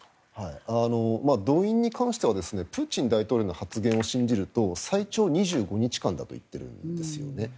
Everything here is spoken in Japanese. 動員に関してはプーチン大統領の発言を信じると最長２５日間だと言ってるんですよね。